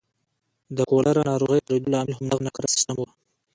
د کولرا ناروغۍ خپرېدو لامل همدغه ناکاره سیستم و.